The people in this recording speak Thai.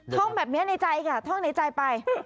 ท่องแบบนี้ในใจค่ะท่องในใจไป